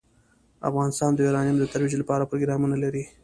افغانستان د یورانیم د ترویج لپاره پروګرامونه لري.